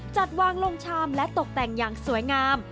จัดวางลงชามและตกแต่งอย่างสวยงาม